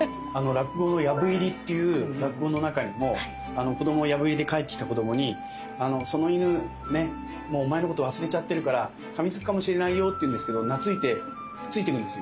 落語の「藪入り」っていう落語の中にも子供が藪入りで帰ってきた子供にその犬ねっもうお前のこと忘れちゃってるからかみつくかもしれないよって言うんですけど懐いてくっついていくんですよ。